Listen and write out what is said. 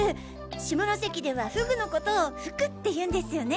下関ではふぐのことをふくっていうんですよね！